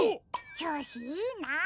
ちょうしいいな。